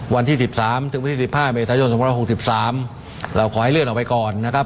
วันที่๑๓ถึงวันที่๑๕เมษายน๒๖๓เราขอให้เลื่อนออกไปก่อนนะครับ